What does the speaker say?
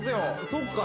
そっか。